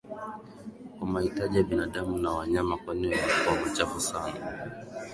Kwa mahitaji ya binadamu na wanyama kwani yalikuwa machafu sana